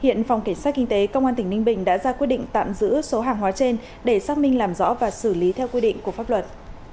hiện phòng cảnh sát kinh tế công an tỉnh ninh bình đã ra quyết định tạm giữ số hàng hóa trên để xác minh làm rõ và xử lý theo quy định của pháp luật